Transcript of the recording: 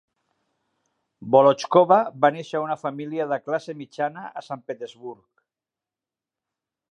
Volochkova va néixer a una família de classe mitjana a Sant Petersburg.